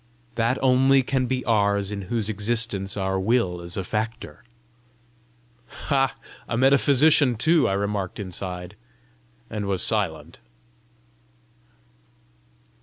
"That only can be ours in whose existence our will is a factor." "Ha! a metaphysician too!" I remarked inside, and was silent.